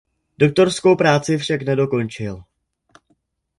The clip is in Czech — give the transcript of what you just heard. Doktorskou práci však nedokončil.